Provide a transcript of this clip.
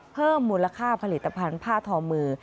เพิ่มมูลค่าผลิตภัณฑ์ผ้าทอมือ